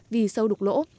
vì sâu đục lỗ